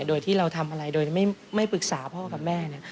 โดยที่เราทำอะไรโดยไม่ปรึกษาพ่อกับแม่เนี่ย